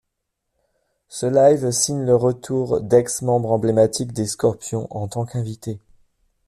Ce live signe le retour d'ex-membres emblématiques des Scorpions, en tant qu'invités.